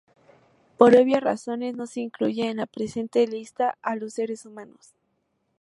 Por obvias razones no se incluye en la presente lista a los seres humanos.